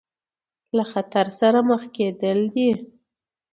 له خطر سره مخ کېدل دي.